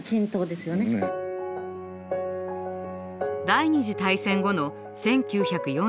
第２次大戦後の１９４７年。